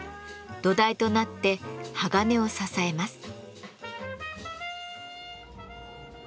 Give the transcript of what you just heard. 土台となって鋼を支えます。